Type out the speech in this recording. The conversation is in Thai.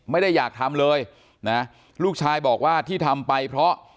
ไม่ได้อยากทำเลยนะลูกชายบอกว่าที่ทำไปเพราะ